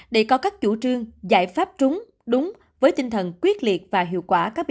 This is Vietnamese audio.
để có các chủ trương giải pháp trúng đúng với tinh thần quyết liệt và hiệu quả